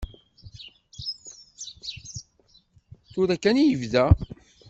Tura kan i yebda.